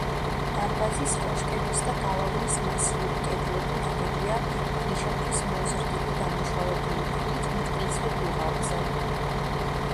დარბაზის, კოშკების და გალავნის მასიური კედლები ნაგებია ქვიშაქვის მოზრდილი, დამუშავებული ქვით, მტკიცე დუღაბზე.